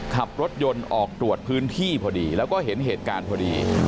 ขับรถยนต์ออกตรวจพื้นที่พอดีแล้วก็เห็นเหตุการณ์พอดี